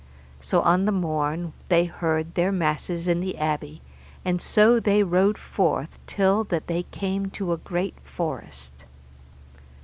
So on the morn they heard their masses in the abbey, and so they rode forth till that they came to a great forest.